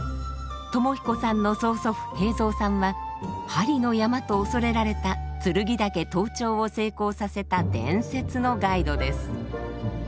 知彦さんの曽祖父平蔵さんは「針の山」と恐れられた剱岳登頂を成功させた伝説のガイドです。